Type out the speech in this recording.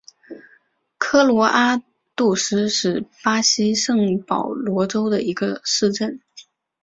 科罗阿杜斯是巴西圣保罗州的一个市镇。